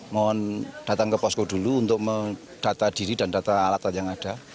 mohon datang ke posko dulu untuk mendata diri dan data alat yang ada